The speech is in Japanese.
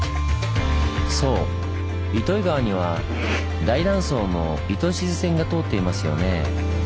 そう糸魚川には大断層の糸静線が通っていますよね。